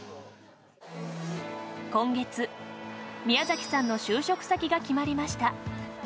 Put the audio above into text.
今月、宮崎さんの就職先が決まりました。